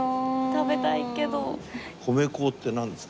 食べたいけど。